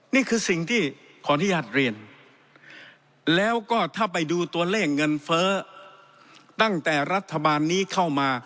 นี่คือสิ่งที่ขออนุญาตเรียนแล้วก็ถ้าไปดูตัวเลขเงินเฟ้อตั้งแต่รัฐบาลนี้เข้ามา